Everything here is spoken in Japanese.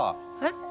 えっ？